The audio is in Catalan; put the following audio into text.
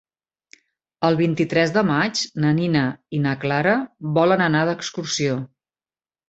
El vint-i-tres de maig na Nina i na Clara volen anar d'excursió.